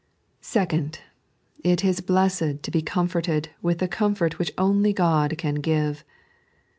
Second, it is blessed to be comforted with the comfort vjhieh only God can give.